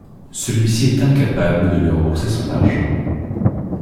Celui-ci est incapable de lui rembourser son argent.